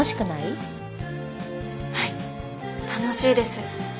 はい楽しいです。